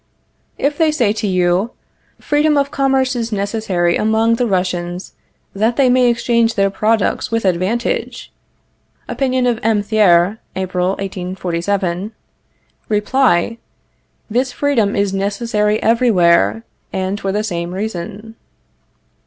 If they say to you: Freedom of commerce is necessary among the Russians that they may exchange their products with advantage (opinion of M. Thiers, April, 1847) Reply: This freedom is necessary everywhere, and for the same reason.